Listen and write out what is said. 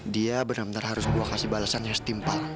dia bener bener harus gua kasih balesannya setimpal